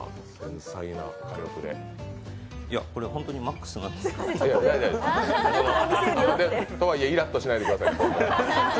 これ本当にマックスなんですよ。とはいえイラッとしないでくださいね。